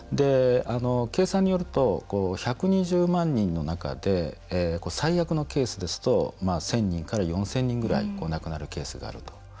計算によると１２０万人の中で最悪のケースですと１０００人から４０００人ぐらい亡くなるケースがあると。